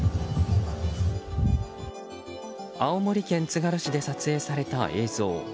青森県つがる市で撮影された映像。